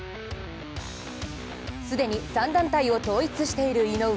既に３団体を統一している井上。